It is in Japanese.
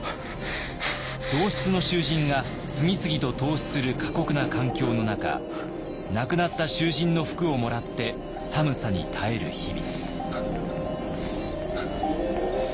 同室の囚人が次々と凍死する過酷な環境の中亡くなった囚人の服をもらって寒さに耐える日々。